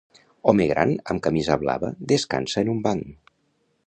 Home gran amb camisa blava descansa en un banc.